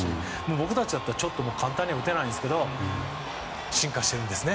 僕たちだったら簡単には打てないんですけど進化しているんですね。